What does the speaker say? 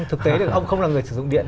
thực tế thì ông không là người sử dụng điện